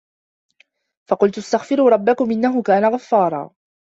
فَقُلتُ استَغفِروا رَبَّكُم إِنَّهُ كانَ غَفّارًا